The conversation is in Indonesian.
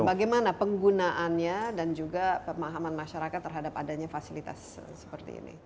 bagaimana penggunaannya dan juga pemahaman masyarakat terhadap adanya fasilitas seperti ini